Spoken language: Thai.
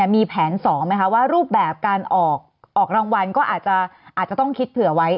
มีแผน๒ไหมคะว่ารูปแบบการออกรางวัลก็อาจจะต้องคิดเผื่อไว้